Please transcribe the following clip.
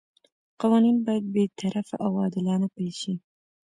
قوانین باید بې طرفه او عادلانه پلي شي.